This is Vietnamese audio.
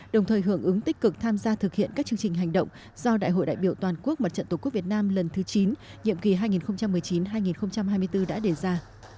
đồng thời hưởng ứng tích cực tham gia thực hiện các chương trình hành động do đại hội đại biểu toàn quốc mặt trận tổ quốc việt nam lần thứ chín nhiệm kỳ hai nghìn một mươi chín hai nghìn hai mươi bốn đã đề ra